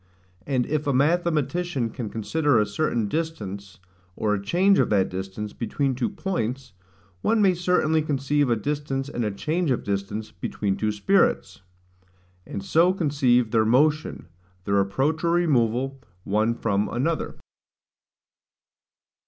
And if a mathematician can consider a certain distance, or a change of that distance between two points, one may certainly conceive a distance and a change of distance, between two spirits; and so conceive their motion, their approach or removal, one from another.